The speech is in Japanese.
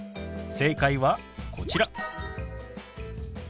正解はこちら。